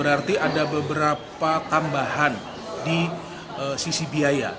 ada tambahan di sisi biaya